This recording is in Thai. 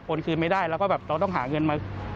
คืนไม่ได้แล้วก็แบบเราต้องหาเงินมา